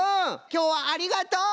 きょうはありがとう！